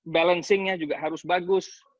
balancingnya juga harus bagus